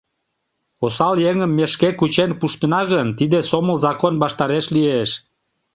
Осал еҥым ме шке кучен пуштына гын, тиде сомыл закон ваштареш лиеш.